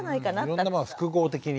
いろんなものが複合的に。